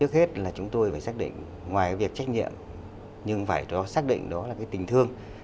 trước hết là chúng tôi phải xác định ngoài việc trách nhiệm nhưng phải đó xác định đó là cái tình thương